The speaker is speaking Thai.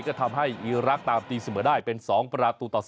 ก็ทำให้อีรักษ์ตามตีเสมอได้เป็น๒ประตูต่อ๒